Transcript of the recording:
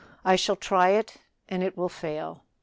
I shall try it, and it will fail.